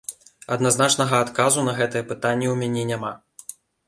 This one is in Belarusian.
Адназначнага адказу на гэтае пытанне ў мяне няма.